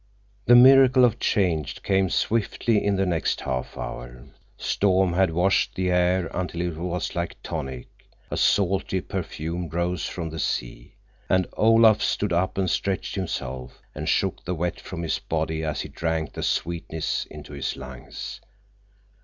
The miracle of change came swiftly in the next half hour. Storm had washed the air until it was like tonic; a salty perfume rose from the sea; and Olaf stood up and stretched himself and shook the wet from his body as he drank the sweetness into his lungs.